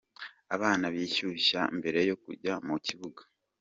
Abana bishyushya mbere yo kujya mu kibuga .